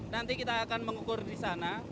nanti kita akan mengukur di sana